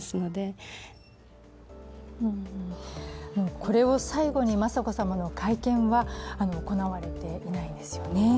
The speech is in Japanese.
これを最後に雅子さまの会見は行われていないんですね。